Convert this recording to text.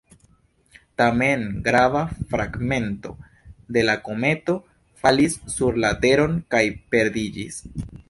Tamen grava fragmento de la kometo falis sur la Teron kaj perdiĝis.